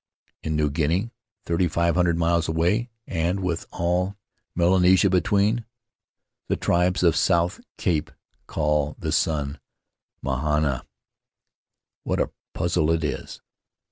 In New Guinea, thirty five hundred miles away, and with all Melanesia between, the tribes of the South Cape call the sun mahana. What a puzzle it is!